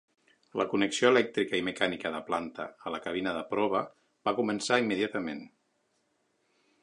La connexió elèctrica i mecànica de planta a la cabina de prova va començar immediatament.